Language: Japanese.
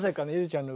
ちゃんと。